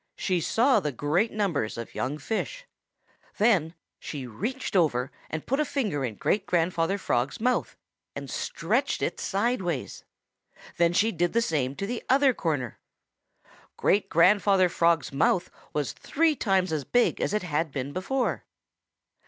She saw the great numbers of young fish. Suddenly she reached over and put a finger in Great grandfather Frog's mouth and stretched it sideways. Then she did the same thing to the other corner. Great grandfather Frog's mouth was three times as big as it had been before.